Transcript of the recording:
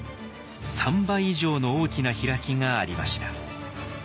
３倍以上の大きな開きがありました。